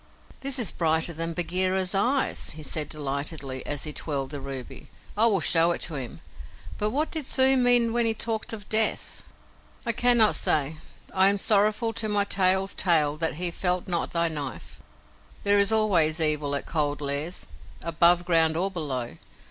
"This is brighter than Bagheera's eyes," he said delightedly, as he twirled the ruby. "I will show it to him; but what did the Thuu mean when he talked of death?" "I cannot say. I am sorrowful to my tail's tail that he felt not thy knife. There is always evil at Cold Lairs above ground or below.